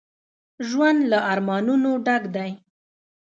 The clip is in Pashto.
ژوند له ارمانونو ډک دی